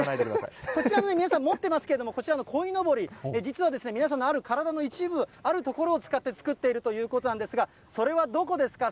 こちらの皆さん、持ってますけれども、こちらのこいのぼり、実は皆さんのある体の一部、ある所を使って作っているということなんですが、それはどこですか？